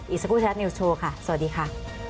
อีกสักครู่ไทยรัฐนิวส์โชว์ค่ะสวัสดีค่ะ